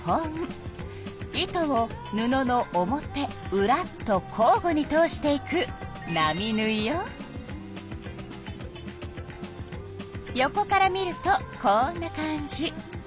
糸を布の表うらと交ごに通していく横から見るとこんな感じ。